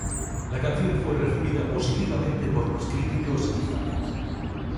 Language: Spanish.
La canción fue recibida positivamente por los críticos y fanes.